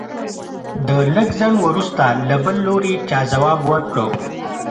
د لږ ځنډ وروسته له بل لوري چا ځواب ورکړ.